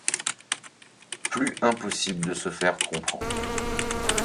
Plus impossible de se faire comprendre.